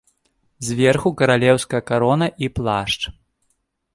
Зверху каралеўская карона і плашч.